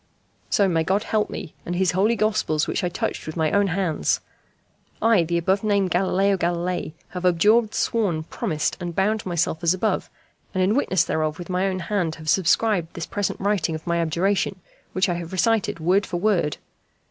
So may God help me, and his Holy Gospels which I touch with my own hands. I, the above named Galileo Galilei, have abjured, sworn, promised, and bound myself as above, and in witness thereof with my own hand have subscribed this present writing of my abjuration, which I have recited word for word.